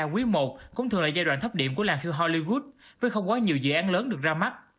quý i cũng thường là giai đoạn thấp điểm của làng phiêu hollywood với không quá nhiều dự án lớn được ra mắt